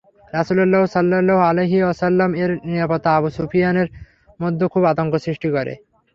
রাসূল সাল্লাল্লাহু আলাইহি ওয়াসাল্লাম-এর এ নীরবতা আবু সুফিয়ানের মধ্যে খুব আতঙ্ক সৃষ্টি করে।